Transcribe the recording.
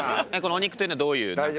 「おにく」というのはどういう考え？